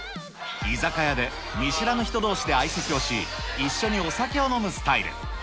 居酒屋で見知らぬ人どうしで相席をし、一緒にお酒を飲むスタイル。